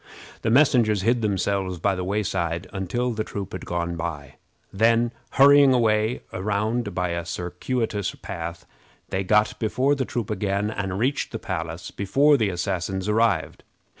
The messengers hid themselves by the wayside until the troop had gone by. Then hurrying away round by a circuitous path, they got before the troop again, and reached the palace before the assassins arrived.